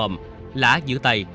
công lã giữ tay